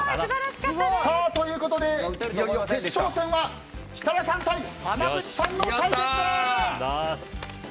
ということでいよいよ決勝戦は設楽さん対濱口さんの対決です！